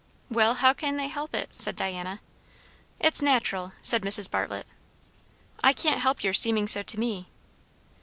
"Well, how can they help it?" said Diana. "It's nat'ral," said Mrs. Bartlett. "I can't help your seeming so to me."